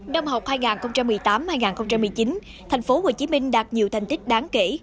năm học hai nghìn một mươi tám hai nghìn một mươi chín tp hcm đạt nhiều thành tích đáng kể